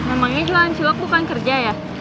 emangnya jualan siwak bukan kerja ya